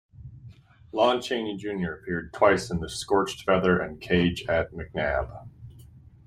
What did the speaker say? Lon Chaney Junior appeared twice, in "The Scorched Feather" and "Cage at McNaab.